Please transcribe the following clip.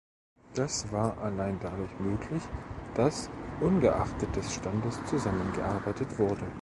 Das war allein dadurch möglich, dass ungeachtet des Standes, zusammengearbeitet wurde.